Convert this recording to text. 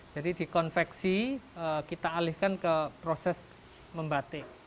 jadi di konveksi kita alihkan ke proses membatik